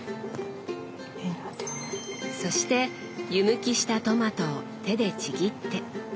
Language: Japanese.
そして湯むきしたトマトを手でちぎって。